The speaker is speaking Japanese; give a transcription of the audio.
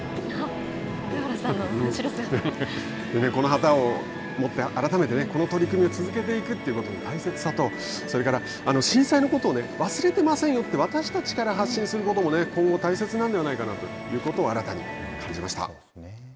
この旗を持って改めてこの取り組みを続けていくことの大切さと震災のことを忘れてませんよと私たちから発信することも今後、大切なのではないかと新たに感じました。